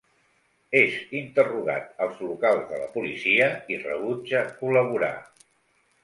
És interrogat als locals de la policia i rebutja col·laborar.